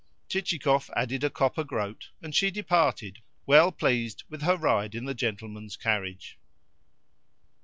Chichikov added a copper groat, and she departed well pleased with her ride in the gentleman's carriage.